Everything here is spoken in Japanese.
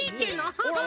ハハハハ。